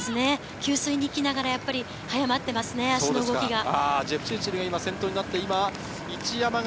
給水に行きながら早まってますね、動きが。